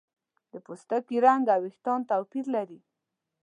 د پوستکي رنګ او ویښتان توپیر لري.